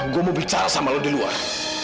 gue mau bicara sama lo di luar